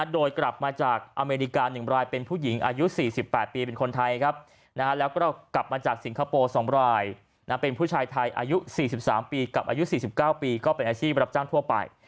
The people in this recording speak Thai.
โดยกลับมาจากอเมริกา๑รายเป็นผู้หญิง๔๘ปีเป็นคนไทย